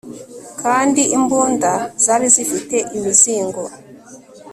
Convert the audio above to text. Kandi imbunda zari zifite imizingo